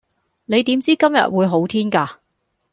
你點知今日會好天架